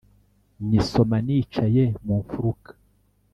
Nyisoma nicaye mu mfuruka